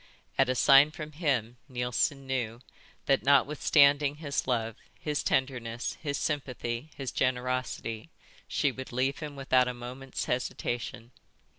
At a sign from him, Neilson knew that, notwithstanding his love, his tenderness, his sympathy, his generosity, she would leave him without a moment's hesitation.